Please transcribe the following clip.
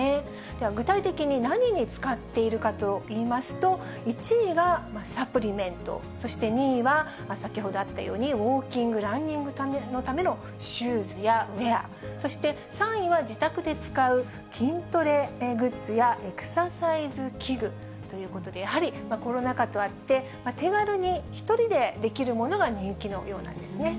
では、具体的に何に使っているかといいますと、１位がサプリメント、そして２位は、先ほどあったようにウォーキング、ランニングのためのシューズやウエア、そして３位は、自宅で使う筋トレグッズやエクササイズ器具ということで、やはりコロナ禍とあって、手軽に１人でできるものが人気のようなんですね。